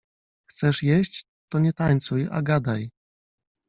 Chcesz jeść, to nie tańcuj, a gadaj.